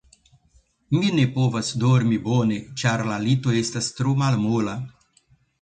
Mi ne povas dormi bone, ĉar la lito estas tro malmola.